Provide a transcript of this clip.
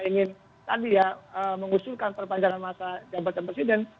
ingin tadi ya mengusulkan perpanjangan masa jabatan presiden